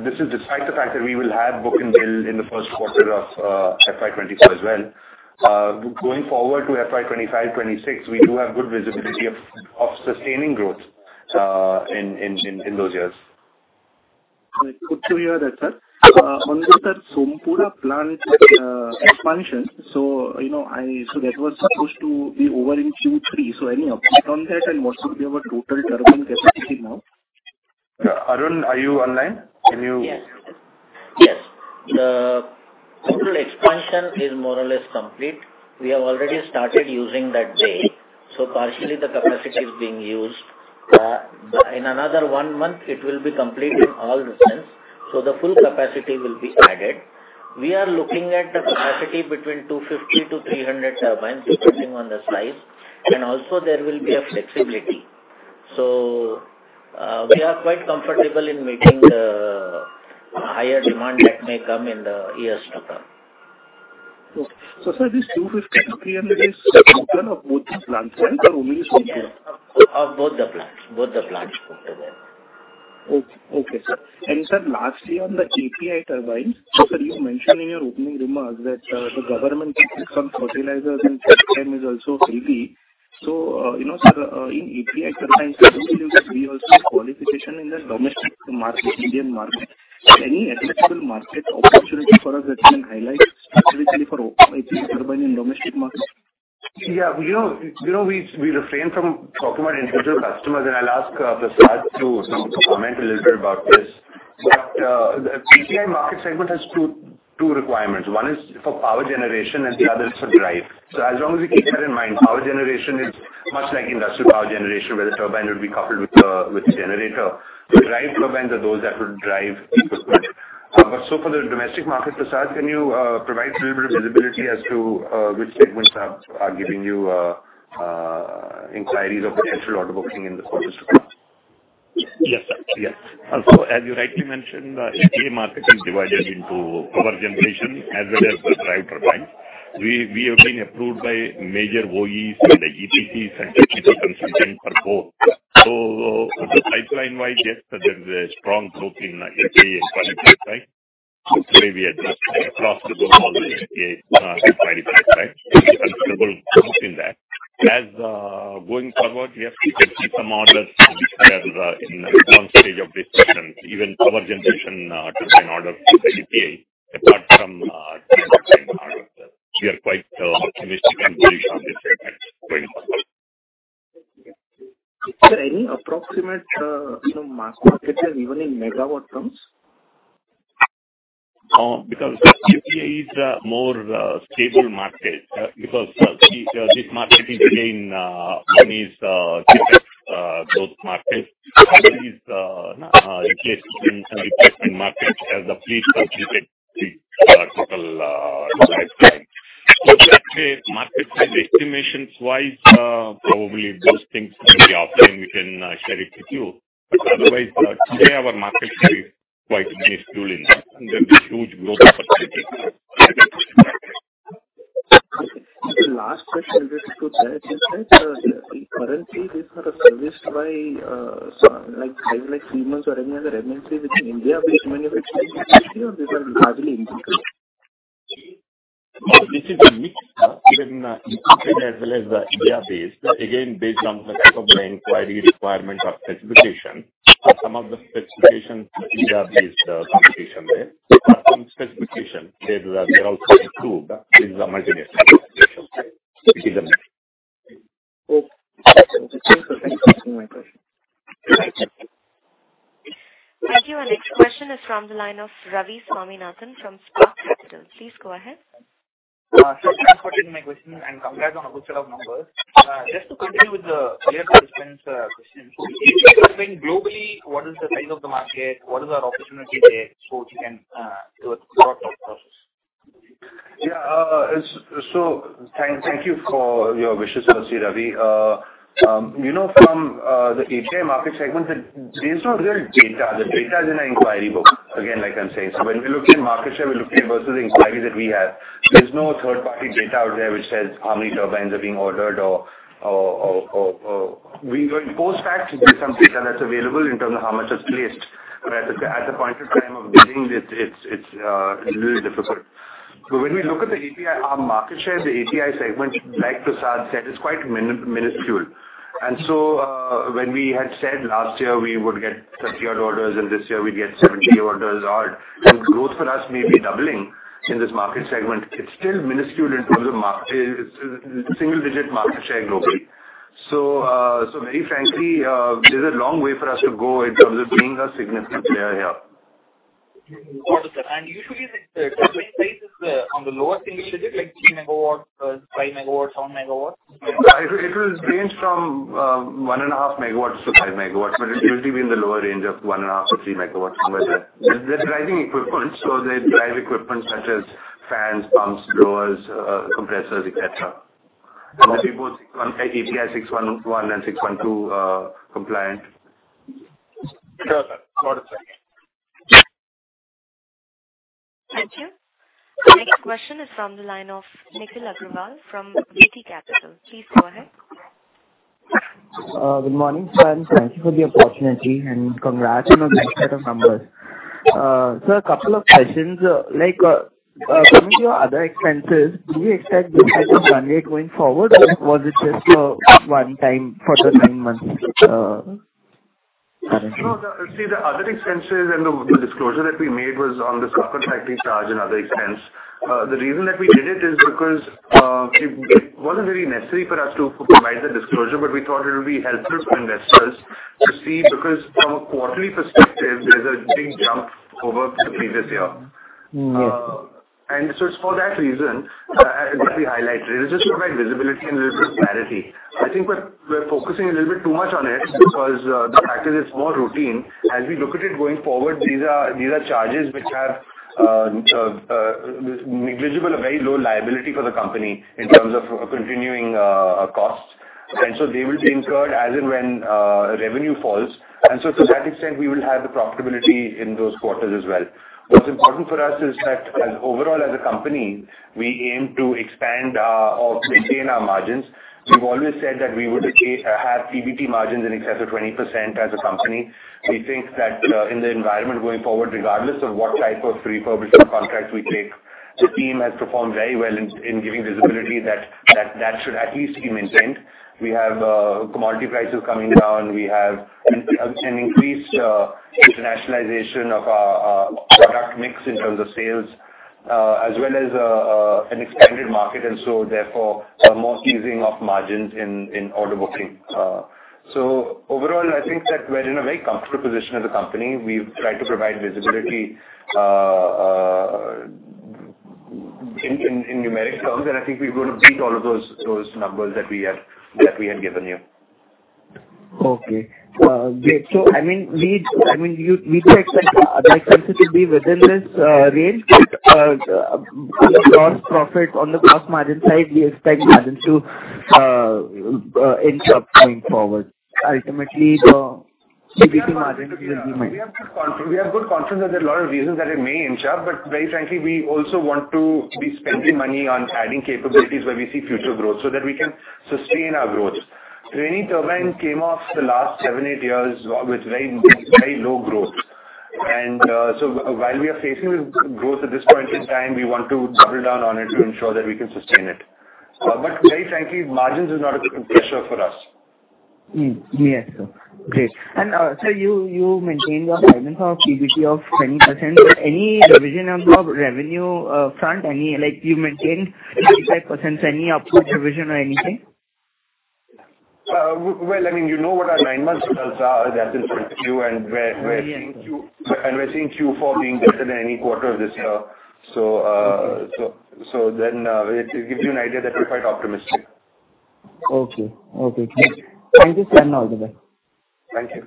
this is despite the fact that we will have book and bill in the 1st quarter of FY 2024 as well. Going forward to FY 2025, 2026, we do have good visibility of sustaining growth in those years. Good to hear that, sir. On the Sompura plant, expansion. You know, that was supposed to be over in Q3. Any update on that and what should be our total turbine capacity now? Arun, are you online? Yes. Yes. The Sompura expansion is more or less complete. We have already started using that bay. Partially the capacity is being used. In another one month it will be complete in all respects, so the full capacity will be added. We are looking at a capacity between 250-300 turbines, depending on the size, and also there will be a flexibility. We are quite comfortable in meeting the higher demand that may come in the years to come. Okay. sir, this 250-300 is total of both the plants or only Sompura? Of both the plants. Both the plants put together. Okay, sir. Sir, lastly, on the API turbines. Sir, you mentioned in your opening remarks that the government focus on fertilizers and chemical is also healthy. You know, sir, in API turbines, I think you're also qualification in the domestic market, Indian market. Any addressable market opportunity for us that you can highlight specifically for API turbine in domestic market? Yeah. You know, we refrain from talking about individual customers, and I'll ask Prasad to comment a little bit about this. The API market segment has two requirements. One is for power generation and the other is for drive. As long as you keep that in mind, power generation is much like industrial power generation, where the turbine would be coupled with the generator. The drive turbines are those that would drive the equipment. For the domestic market, Prasad, can you provide a little bit of visibility as to which segments are giving you inquiries or potential order booking in the quarters to come? As you rightly mentioned, the API market is divided into power generation as well as the Drive Turbines. We have been approved by major OEs and the EPCs and TCP consultants for both. Pipeline wise, yes, sir, there is a strong growth in API inquiry pipeline which may be addressed across the board for the API supply device line. Going forward, yes, we can see some orders which are in advanced stage of discussion. Even power generation, to sign orders with API. We are quite optimistic and bullish on this segment going forward. Sir, any approximate, you know, market share even in megawatt terms? Because API is a more stable market, because this market is again one is those markets. Is in case market as a place for total lifetime. Actually, market size estimations wise, probably those things may be offline, we can share it with you. Otherwise, today our market share is quite miniscule in that, and there's a huge growth opportunity. Sir, last question with regards to that is that, currently these are serviced by like Siemens or any other MNCs within India. Many of it or these are largely imported? This is a mix of even imported as well as the India-based. Again, based on the type of inquiry requirement or specification. Some of the specifications India-based competition there. Some specification they also include. This is a multinational competition. This is a mix. Okay. Thank you for answering my question. Thank you. Our next question is from the line of Ravi Swaminathan from Spark Capital. Please go ahead. Thanks for taking my question, and congrats on a good set of numbers. Just to continue with the earlier participant's question. Can you explain globally what is the size of the market? What is our opportunity there so we can do a thorough thought process? Yeah. So thank you for your wishes first, Ravi. you know, from the API market segment, there is no real data. The data is in an inquiry book. Again, like I'm saying. When we look at market share, we look at versus the inquiries that we have. There's no third-party data out there which says how many turbines are being ordered or we know in post fact there's some data that's available in terms of how much is placed. At the point of time of bidding, it's really difficult. When we look at the API, our market share, the API segment, like Prasad said, is quite miniscule. When we had said last year we would get 30-odd orders and this year we'd get 70 orders odd, and growth for us may be doubling in this market segment, it's still miniscule in terms of market, it's single-digit market share globally. Very frankly, there's a long way for us to go in terms of being a significant player here. Got it, sir. Usually the turbine size is on the lower single digit, like three megawatts, five megawatts, one megawatt? It will range from 1.5 megawatts to 5 megawatts, but it will be in the lower range of 1.5-3 megawatts somewhere there. They're driving equipment, so they drive equipment such as fans, pumps, blowers, compressors, et cetera. They'll be both API 611 and 612 compliant. Sure, sir. Got it, sir. Thank you. The next question is from the line of Nikhil Agrawal from VT Capital. Please go ahead. Good morning, sir, and thank you for the opportunity, and congrats on a great set of numbers. A couple of questions. Like, coming to your other expenses, do you expect this item one way going forward, or was it just a one-time for the nine months arrangement? No. See, the other expenses and the disclosure that we made was on the subcontracting charge and other expense. The reason that we did it is because it wasn't really necessary for us to provide the disclosure, but we thought it would be helpful for investors to see, because from a quarterly perspective, there's a big jump over the previous year. Mm-hmm. It's for that reason that we highlighted. It's just to provide visibility and a little bit of clarity. I think we're focusing a little bit too much on it because the fact is it's more routine. As we look at it going forward, these are charges which have negligible or very low liability for the company in terms of continuing costs. They will be incurred as and when revenue falls. To that extent, we will have the profitability in those quarters as well. What's important for us is that as overall as a company, we aim to expand our, or maintain our margins. We've always said that we would have PBT margins in excess of 20% as a company. We think that in the environment going forward, regardless of what type of refurbishment contracts we take, the team has performed very well in giving visibility that should at least be maintained. We have commodity prices coming down. We have an increased internationalization of our product mix in terms of sales, as well as an expanded market, and so therefore a more easing of margins in order booking. Overall, I think that we're in a very comfortable position as a company. We've tried to provide visibility in numeric terms, and I think we're gonna beat all of those numbers that we had given you. Okay. Great. I mean, you, we should expect other expenses to be within this range. On the gross profit, on the gross margin side, we expect margins to inch up going forward. Ultimately the PBT margins will be met. We have good confidence that there are a lot of reasons that it may inch up, but very frankly, we also want to be spending money on adding capabilities where we see future growth so that we can sustain our growth. Triveni Turbine came off the last seven, eight years with very, very low growth. While we are facing this growth at this point in time, we want to double down on it to ensure that we can sustain it. Very frankly, margins is not a big pressure for us. Yes, sir. Great. sir, you maintained your guidance of PBT of 20%. Any revision on the revenue front? Any, like you maintained 25%. Any upward revision or anything? Well, I mean, you know what our nine months results are. That is with you and we're Yes. We're seeing Q4 being better than any quarter of this year. It gives you an idea that we're quite optimistic. Okay. Okay, great. Thank you, sir. All the best. Thank you.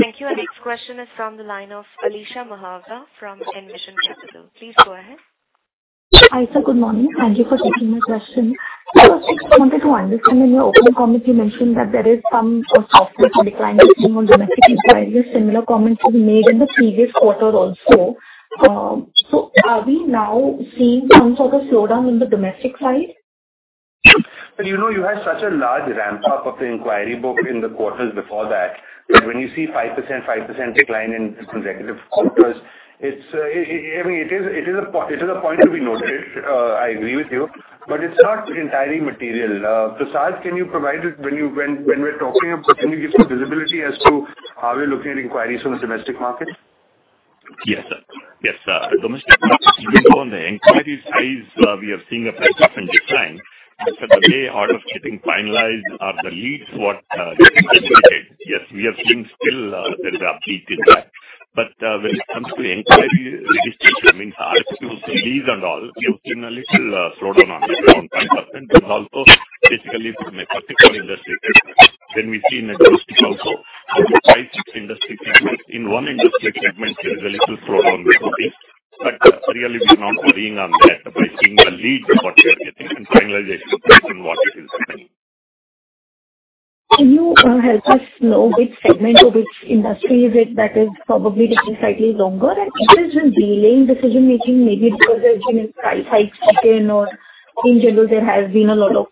Thank you. Our next question is from the line of Alisha Mahawala from Envision Capital. Please go ahead. Hi, sir. Good morning. Thank you for taking my question. First, I just wanted to understand, in your opening comments you mentioned that there is some sort of softness or decline seen on domestic inquiries. Similar comments were made in the previous quarter also. Are we now seeing some sort of slowdown in the domestic side? You know, you had such a large ramp up of the inquiry book in the quarters before that when you see 5%, 5% decline in consecutive quarters, it's, I mean, it is a point to be noted. I agree with you, but it's not entirely material. Prasad, when we're talking of, can you give some visibility as to are we looking at inquiries from the domestic market? Yes, sir. Yes, domestic market even on the inquiry size, we are seeing a pickup and decline. The way orders getting finalized or the leads what getting generated, yes, we are seeing still there's an uptick in that. When it comes to inquiry registration, means RSPOs and leads and all, we have seen a little slowdown on that around 5%. Also basically from a particular industry segment, then we see in the domestic also five, six industry segments. In one industry segment there is a little slowdown we're seeing, really we're not worrying on that by seeing the leads what we are getting and finalization based on what it is saying. Can you help us know which segment or which industry is it that is probably taking slightly longer? Is this just delaying decision making maybe because there's been price hikes kicking or in general there has been a lot of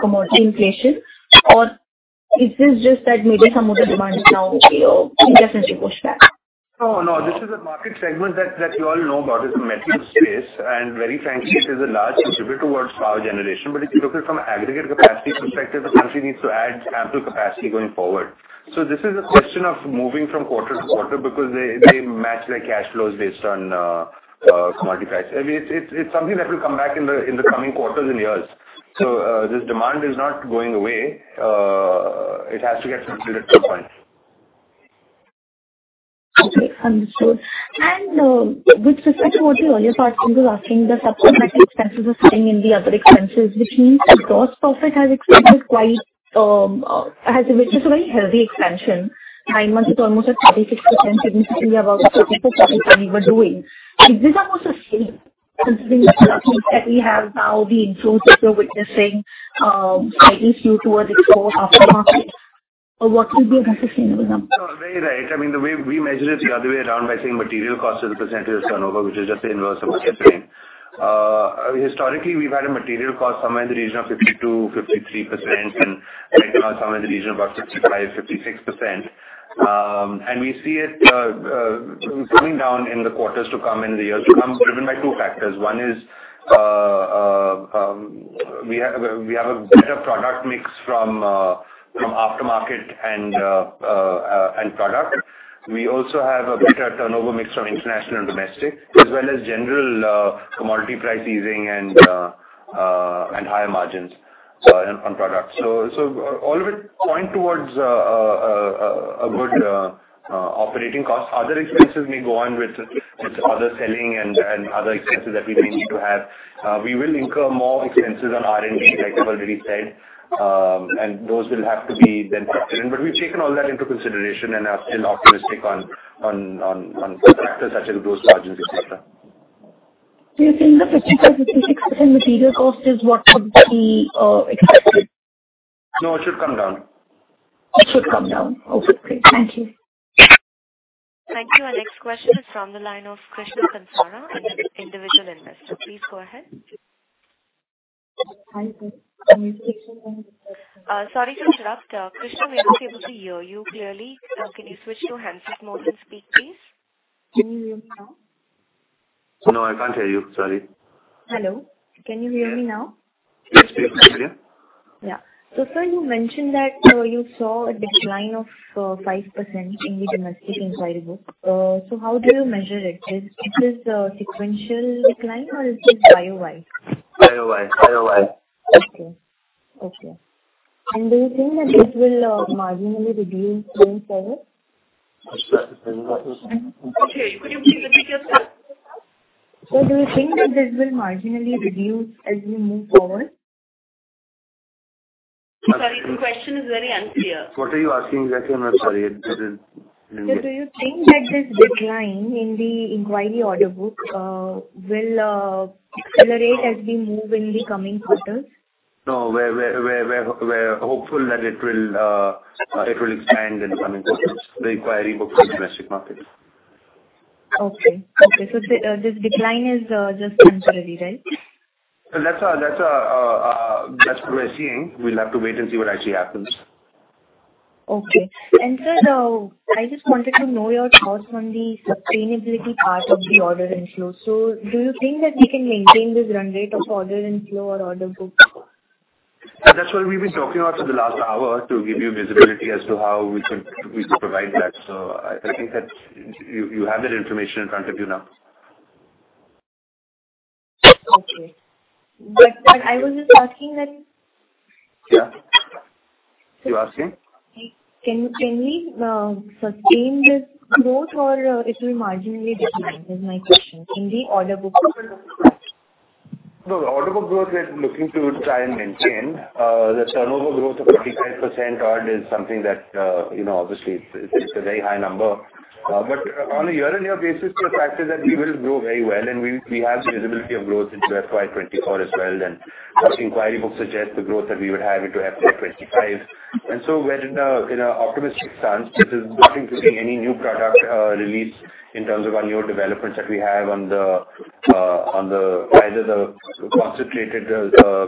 commodity inflation? Is this just that maybe some of the demand is now okay or definitely pushed back? No, no. This is a market segment that you all know about. It's a mature space and very frankly it is a large contributor towards power generation. If you look at from aggregate capacity perspective, the country needs to add ample capacity going forward. This is a question of moving from quarter to quarter because they match their cash flows based on commodity price. I mean, it's something that will come back in the coming quarters and years. This demand is not going away. It has to get completed at some point. Okay. Understood. With respect to what the earlier partner was asking, the supplementary expenses are sitting in the other expenses, which means the gross profit has expanded quite, which is a very healthy expansion. Nine months is almost at 36%, significantly above the 30% that we were doing. Is this almost a steady considering the product mix that we have now, the improvement we're witnessing, slightly skew towards explore aftermarket or what will be a more sustainable number? No, very right. I mean, the way we measure it the other way around by saying material cost as a percentage of turnover, which is just the inverse of gross margin. Historically, we've had a material cost somewhere in the region of 50%-53% and right now somewhere in the region of about 55%-56%. We see it coming down in the quarters to come and the years to come driven by two factors. One is we have a better product mix from aftermarket and product. We also have a better turnover mix from international and domestic, as well as general commodity price easing and higher margins, so, on product. All of it point towards a good operating cost. Other expenses may go on with other selling and other expenses that we may need to have. We will incur more expenses on R&D like I've already said. Those will have to be then factored in. We've taken all that into consideration and are still optimistic on full factors such as gross margin, et cetera. Do you think the 50%-56% material cost is what could be expected? No, it should come down. It should come down. Okay, great. Thank you. Thank you. Our next question is from the line of Krishna Kansara, an individual investor. Please go ahead. Hi, good. Sorry to interrupt. Krishna, we're not able to hear you clearly. Can you switch to handset mode and speak, please? Can you hear me now? No, I can't hear you. Sorry. Hello. Can you hear me now? Yes, please. Come in. Yeah. Sir, you mentioned that you saw a decline of 5% in the domestic inquiry book. How do you measure it? Is it a sequential decline or is this YoY? YoY. Okay. Okay. Do you think that this will marginally reduce going forward? I'm sorry. Could you repeat yourself? Sir, do you think that this will marginally reduce as we move forward? Sorry, the question is very unclear. What are you asking exactly? I'm sorry. Sir, do you think that this decline in the inquiry order book will accelerate as we move in the coming quarters? No, we're hopeful that it will expand in the coming quarters, the inquiry book for the domestic market. Okay. Okay. This decline is just temporary, right? That's what we're seeing. We'll have to wait and see what actually happens. Okay. Sir, I just wanted to know your thoughts on the sustainability part of the order inflow. Do you think that you can maintain this run rate of order inflow or order book? That's what we've been talking about for the last hour, to give you visibility as to how we can, we can provide that. I think that you have that information in front of you now. Okay. what I was just asking that. Yeah. You're asking? Can we sustain this growth or it will marginally decline, is my question. In the order book. The order book growth we're looking to try and maintain. The turnover growth of 55% odd is something that, you know, obviously it's a very high number. But on a year-on-year basis, we factor that we will grow very well, and we have the visibility of growth into FY 2024 as well, and inquiry book suggests the growth that we would have into FY 2025. We're in an optimistic stance, which is looking to see any new product release in terms of annual developments that we have on the, either the concentrated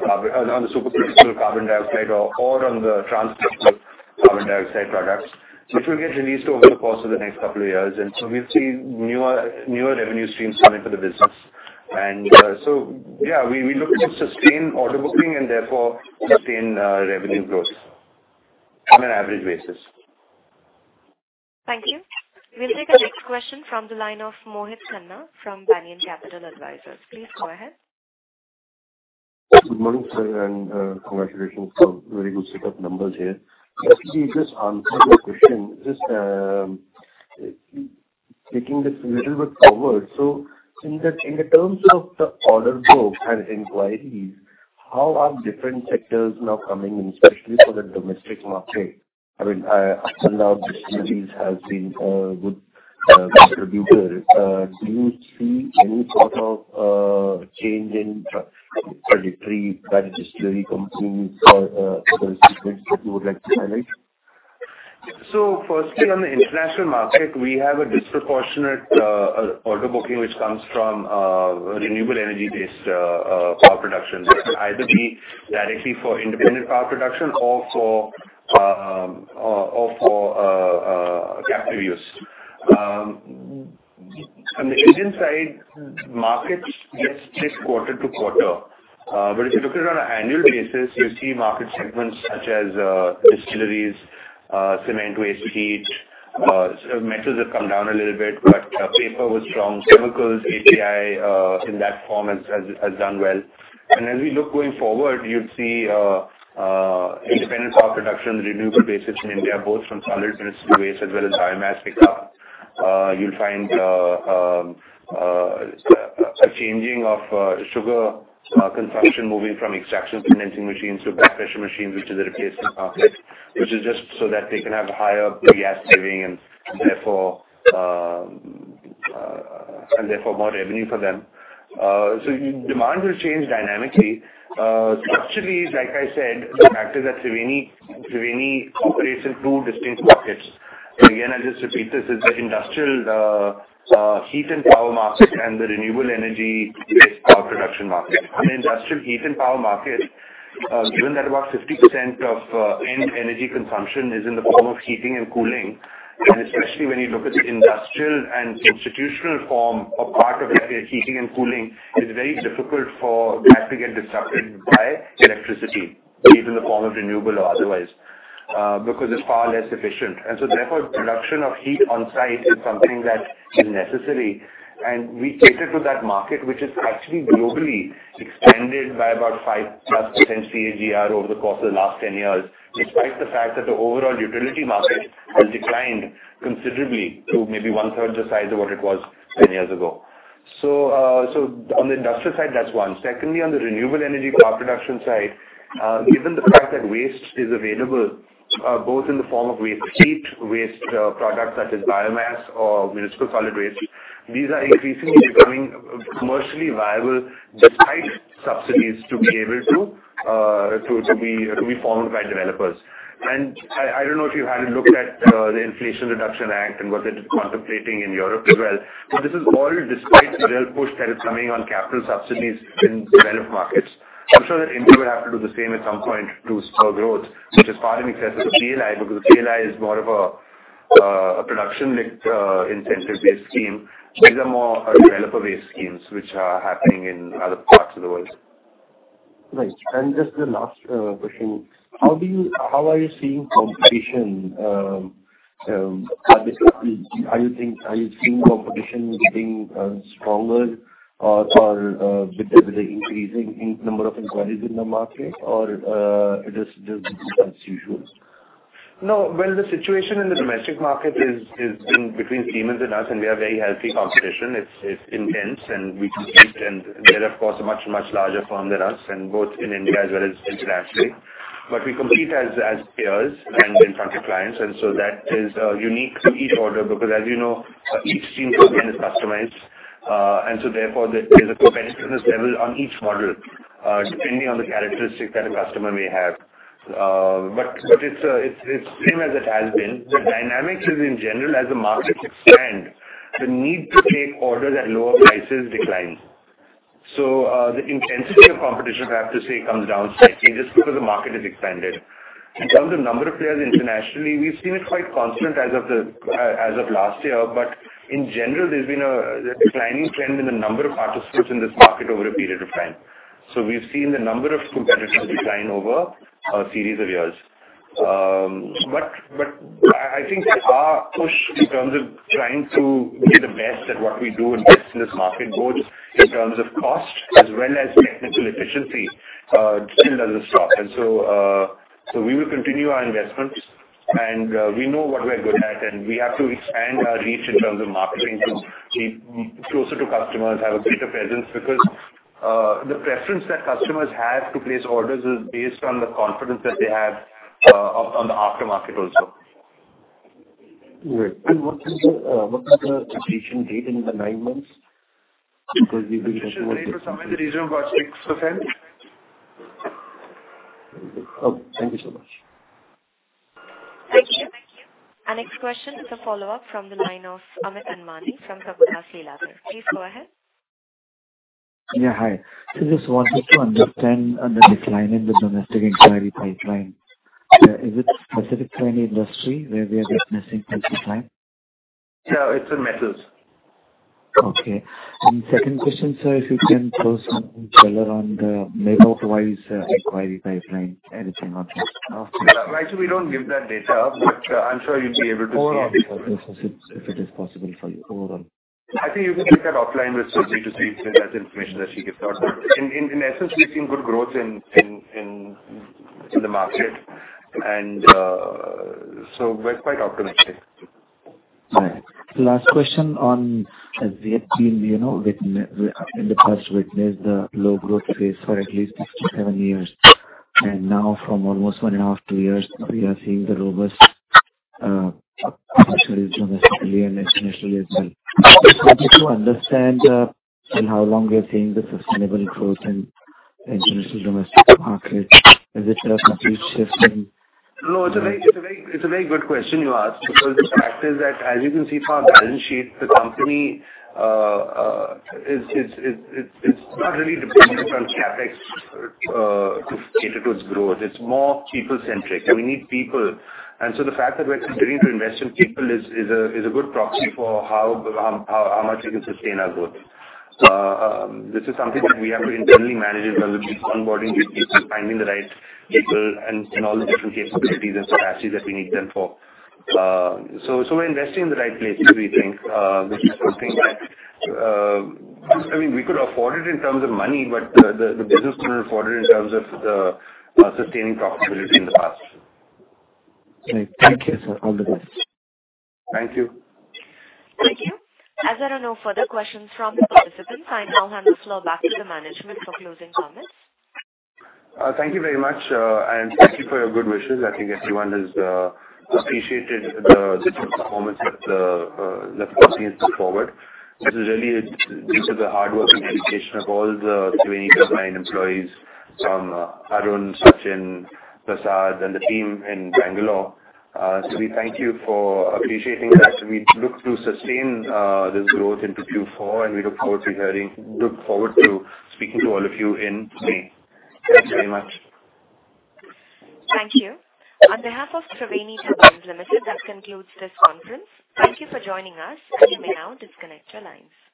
carbon on the supercritical carbon dioxide or on the transcritical carbon dioxide products, which will get released over the course of the next couple of years. We'll see newer revenue streams coming for the business. Yeah, we look to sustain order booking and therefore sustain revenue growth on an average basis. Thank you. We'll take the next question from the line of Mohit Khanna from Banyan Capital Advisors. Please go ahead. Good morning, sir, and congratulations for very good set of numbers here. As you just answered my question, just taking this a little bit forward. In the, in the terms of the order book and inquiries, how are different sectors now coming in, especially for the domestic market? I mean, up till now distilleries has been a good contributor. Do you see any sort of change in predatory that distillery companies or other segments that you would like to highlight? Firstly, on the international market, we have a disproportionate order booking which comes from renewable energy-based power production. Which either be directly for independent power production or for captive use. On the Asian side, markets just shift quarter to quarter. If you look at it on an annual basis, you'll see market segments such as distilleries, cement waste heat, metals have come down a little bit, but paper was strong. Chemicals, API, in that form has done well. As we look going forward, you'd see independent power production on renewable basis in India, both from solid municipal waste as well as biomass pick up. You'll find a changing of sugar consumption moving from Extraction Condensing machines to Back Pressure machines, which is a replacement market, which is just so that they can have higher biogas saving and therefore more revenue for them. Demand will change dynamically. Structurally, like I said, the fact is that Triveni operates in two distinct markets. Again, I'll just repeat this, is the industrial heat and power market and the renewable energy-based power production market. On the industrial heat and power market, given that about 50% of end energy consumption is in the form of heating and cooling, and especially when you look at the industrial and institutional form or part of it where heating and cooling is very difficult for that to get disrupted by electricity, be it in the form of renewable or otherwise, because it's far less efficient. Therefore, production of heat on-site is something that is necessary. We cater to that market, which has actually globally expanded by about 5+% CAGR over the course of the last 10 years, despite the fact that the overall utility market has declined considerably to maybe one-third the size of what it was 10 years ago. On the industrial side, that's one. Secondly, on the renewable energy power production side, given the fact that waste is available, both in the form of waste heat, waste products such as municipal solid waste, these are increasingly becoming commercially viable despite subsidies to be able to be formed by developers. I don't know if you had a look at the Inflation Reduction Act and what they're contemplating in Europe as well. This is all despite the real push that is coming on capital subsidies in developed markets. I'm sure that India will have to do the same at some point to spur growth, which is far in excess of PLI, because the PLI is more of a production-mixed, incentive-based scheme. These are more developer-based schemes which are happening in other parts of the world. Right. Just the last question. How are you seeing competition, are you seeing competition getting stronger or, with the increasing in number of inquiries in the market or, it is just as usual? No. Well, the situation in the domestic market is between Siemens and us, and we are very healthy competition. It's intense and we compete, and they're of course a much larger firm than us, and both in India as well as internationally. We compete as peers and in front of clients, and so that is unique to each order because as you know, each steam turbine is customized. And so therefore, there is a competitiveness level on each model, depending on the characteristic that a customer may have. But it's same as it has been. The dynamics is in general as the markets expand, the need to take orders at lower prices declines. The intensity of competition, I have to say, comes down slightly just because the market has expanded. In terms of number of players internationally, we've seen it quite constant as of last year, but in general, there's been a declining trend in the number of participants in this market over a period of time. We've seen the number of competitors decline over a series of years. But I think our push in terms of trying to be the best at what we do and best in this market both in terms of cost as well as technical efficiency still doesn't stop. We will continue our investments and we know what we're good at, and we have to expand our reach in terms of marketing to be closer to customers, have a greater presence because the preference that customers have to place orders is based on the confidence that they have on the aftermarket also. Great. What is the completion date in the nine months? Because we believe it was. It should be in the region of about 6%. Very good. Okay, thank you so much. Thank you. Our next question is a follow-up from the line of Amit Anwani from Prabhudas Lilladher. Please go ahead. Yeah, hi. Just wanted to understand, the decline in the domestic inquiry pipeline. Is it specific to any industry where we are witnessing decline? Yeah, it's in metals. Okay. Second question, sir, if you can throw some light on the makeup-wise inquiry pipeline, anything on that? Actually, we don't give that data, but I'm sure you'll be able to see- Overall, if it is possible for you. Overall. I think you can take that offline with Suji to see if she has information that she can thought. In essence, we've seen good growth in the market and we're quite optimistic. Right. Last question on as we have been, you know, in the past witnessed the low growth phase for at least 57 years. Now from almost 1.5, two years, we are seeing the robust performance domestically and internationally as well. Just to understand how long we are seeing the sustainable growth in terms of domestic market. Is it a complete shift in- No, it's a very good question you ask because the fact is that as you can see from our balance sheet, the company is not really dependent on CapEx to cater towards growth. It's more people-centric. We need people. The fact that we're continuing to invest in people is a good proxy for how much we can sustain our growth. This is something that we have to internally manage in terms of onboarding new people, finding the right people and all the different capabilities and strategies that we need them for. We're investing in the right places, we think. This is something that, I mean, we could afford it in terms of money, but the business couldn't afford it in terms of the sustaining profitability in the past. Great. Thank you, sir. All the best. Thank you. Thank you. As there are no further questions from the participants, I now hand the floor back to the management for closing comments. Thank you very much, and thank you for your good wishes. I think everyone has appreciated the performance that the company has put forward, which is really due to the hard work and dedication of all the Triveni Turbine employees from Arun, Sachin, Prasad and the team in Bangalore. We thank you for appreciating that. We look to sustain this growth into Q4, and we look forward to speaking to all of you in May. Thanks very much. Thank you. On behalf of Triveni Turbine Limited, that concludes this conference. Thank you for joining us. You may now disconnect your lines.